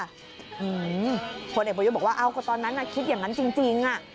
อื้อหือคนอีกประโยชน์บอกว่าอ้าวก็ตอนนั้นคิดอย่างนั้นจริงน่ะ